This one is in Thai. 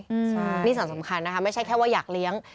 ใช่นี่สำคัญไม่ใช่แค่ว่าอยากเลี้ยง